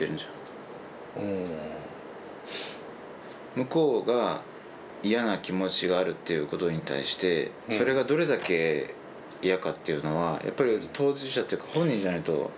向こうが嫌な気持ちがあるっていうことに対してそれがどれだけ嫌かっていうのはやっぱり当事者っていうか本人じゃないと。